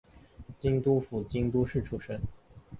京都府京都市出身。